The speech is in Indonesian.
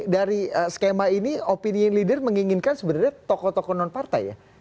dari skema ini opinion leader menginginkan sebenarnya tokoh tokoh non partai ya